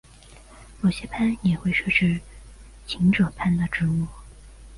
某些藩也会设置奏者番的职务。